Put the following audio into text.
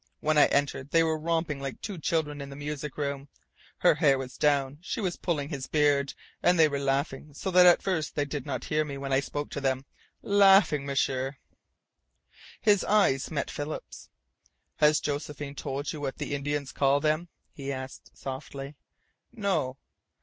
When I entered they were romping like two children in the music room. Her hair was down. She was pulling his beard, and they were laughing so that at first they did not hear me when I spoke to them. Laughing, M'sieur!" His eyes met Philip's. "Has Josephine told you what the Indians call them?" he asked softly. "No."